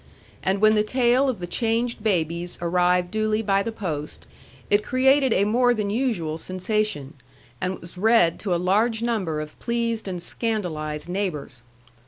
And when the tale of the changed babies arrived duly by the post, it created a more than usual sensation, and was read to a large number of pleased and scandalized neighbors.